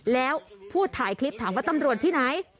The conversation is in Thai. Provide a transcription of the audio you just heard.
แล้วผู้ถ่ายคลิปถามว่าตำรวจที่ไหน